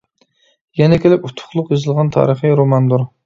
يەنە كېلىپ ئۇتۇقلۇق يېزىلغان تارىخىي روماندۇر.